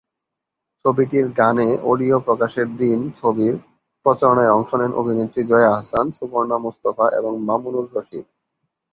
ছবিটির গানে অডিও প্রকাশের দিন ছবির প্রচারণায় অংশ নেন অভিনেত্রী জয়া আহসান, সুবর্ণা মুস্তাফা এবং মামুনুর রশীদ।